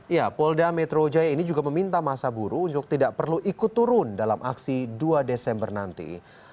ya polda metro jaya ini juga meminta masa buru untuk tidak perlu ikut turun dalam aksi dua desember nanti